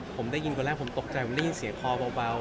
ผมได้ยินคนแรกผมตกใจผมได้ยินเสียงคอเบา